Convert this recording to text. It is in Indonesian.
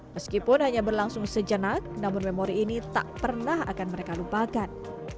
meskipun hanya berlangsung sejenak namun memori ini tak pernah akan mereka lupakan